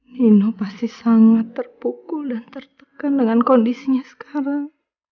nino pasti sangat terpukul dan tertekan dengan kondisinya sekarang